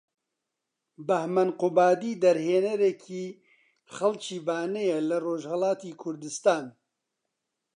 بەهمەن قوبادی دەرهێنەرێکی خەڵکی بانەیە لە رۆژهەڵاتی کوردوستان